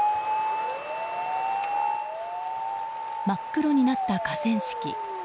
真っ黒になった河川敷。